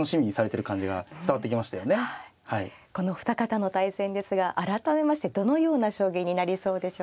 このお二方の対戦ですが改めましてどのような将棋になりそうでしょうか。